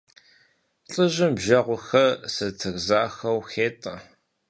ЛӀыжьым бжэгъухэр сатыр захуэу хетӀэ.